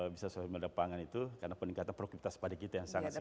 bisa suada pangan itu karena peningkatan produktivitas padi kita yang sangat signifikan